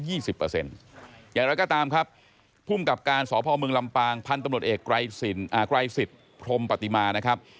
อย่างไรก็ตามครับภูมิกับการสพมลำปางพันธุ์ตำรวจเอกไกรสิทธิ์พรมปฏิมานะครับ